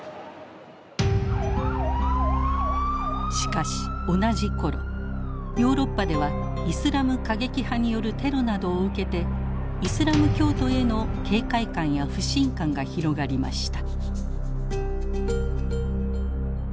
しかし同じ頃ヨーロッパではイスラム過激派によるテロなどを受けてイスラム教徒への警戒感や不信感が広がりました。